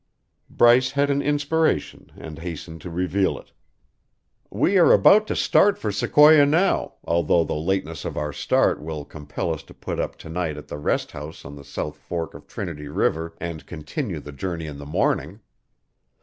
Bryce had an inspiration and hastened to reveal it. "We are about to start for Sequoia now, although the lateness of our start will compel us to put up tonight at the rest house on the south fork of Trinity River and continue the journey in the morning.